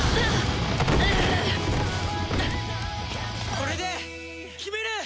これで決める！